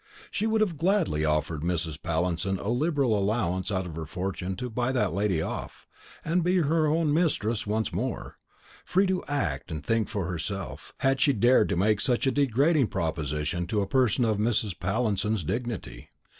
She would have gladly offered Mrs. Pallinson a liberal allowance out of her fortune to buy that lady off, and be her own mistress once more, free to act and think for herself, had she dared to make such a degrading proposition to a person of Mrs. Pallinson's dignity.